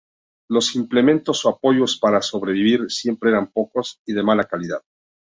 Los implementos o apoyos para sobrevivir siempre eran pocos y de mala calidad.